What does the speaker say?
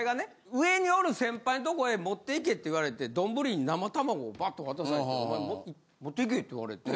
上におる先輩とこへ持っていけって言われて丼に生卵をバッと渡されてお前持っていけって言われて。